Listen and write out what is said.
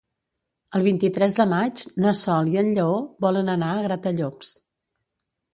El vint-i-tres de maig na Sol i en Lleó volen anar a Gratallops.